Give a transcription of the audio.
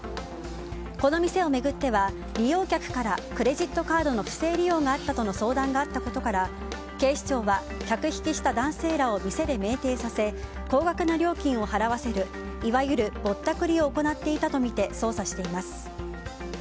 この店を巡っては、利用客からクレジットカードの不正利用があったとの相談があったことから警視庁は客引きした男性らを店で酩酊させ高額な料金を払わせるいわゆる、ぼったくりを行っていたとみて捜査しています。